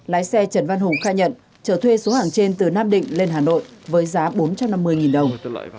lái xe trần văn hùng khai nhận trở thuê số hàng trên từ nam định lên hà nội với giá bốn trăm năm mươi đồng